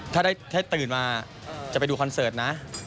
ถ้าได้ตื่นมาจะไปดูคอนเสิร์ตนะ